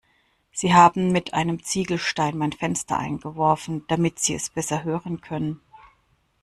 Sie haben mit einem Ziegelstein mein Fenster eingeworfen, damit sie es besser hören können.